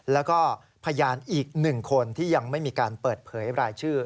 แล้วก็พยานอีก๑คนที่ยังไม่มีการเปิดเผยรายชื่อ